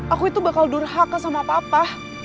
aku itu bakal durhaka sama papa